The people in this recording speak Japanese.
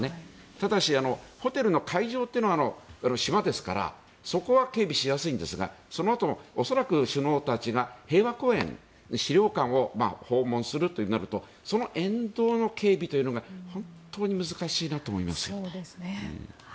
ただし、ホテルの会場というのは島ですからそこは警備しやすいんですが恐らく首脳たちが平和公園、資料館を訪問するとなるとその沿道の警備というのが本当に難しいなと思います。